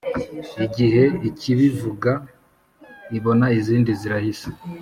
igihe ikibivuga ibona izindi zirahise,